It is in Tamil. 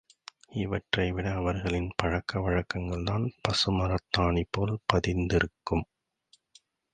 இவற்றைவிட அவர்களின் பழக்க வழக்கங்கள்தான் பசுமரத்தாணிபோல் பதிந்து திறகும்.